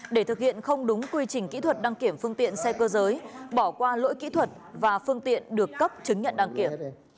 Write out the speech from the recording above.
để thực hiện không đúng quy trình kỹ thuật đăng kiểm phương tiện xe cơ giới bỏ qua lỗi kỹ thuật và phương tiện được cấp chứng nhận đăng kiểm